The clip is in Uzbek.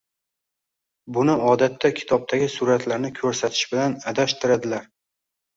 Buni odatda kitobdagi suratlarni ko‘rsatish bilan adashtiradiladilar.